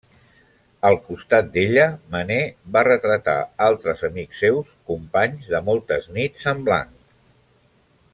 Al costat d'ella, Manet va retratar altres amics seus, companys de moltes nits en blanc.